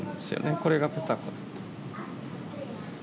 これがペタコ。